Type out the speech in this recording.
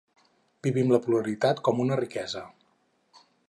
Vivim la pluralitat com una riquesa.